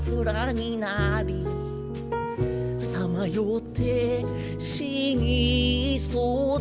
「さまよって死にそうだ」